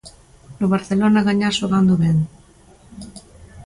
No Barcelona gañar xogando ben.